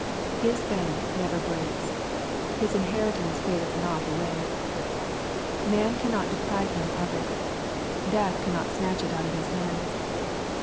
His bank LrKE, CHAP. XII. 76 oever breaks. His inheritance fadeth not away. Man cannot deprive him of it. Death cannot snatch it out of his hands.